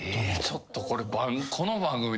ちょっとこれ。